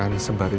dan saya juga